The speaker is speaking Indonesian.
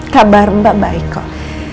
kabar mbak baik kok